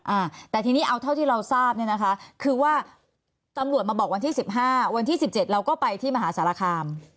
อ่าแต่ทีนี้เอาเท่าที่เราทราบเนี่ยนะคะคือว่าตำรวจมาบอกวันที่สิบห้าวันที่สิบเจ็ดเราก็ไปที่มหาสารคาม